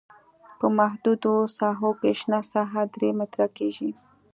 په محدودو ساحو کې شنه ساحه درې متره کیږي